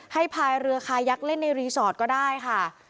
พายเรือคายักษ์เล่นในรีสอร์ทก็ได้ค่ะ